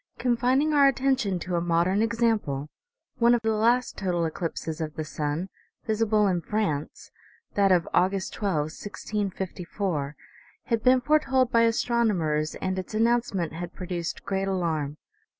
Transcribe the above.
Con fining our attention to a modern example, one of the last total eclipses of the sun, visible in France, that of August 12, 1654, had been foretold by astronomers, and its an nouncement had produced great alarm.